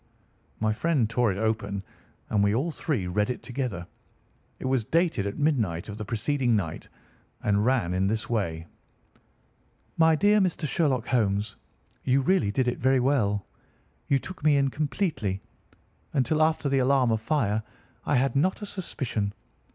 My friend tore it open, and we all three read it together. It was dated at midnight of the preceding night and ran in this way: "MY DEAR MR. SHERLOCK HOLMES,—You really did it very well. You took me in completely. Until after the alarm of fire, I had not a suspicion.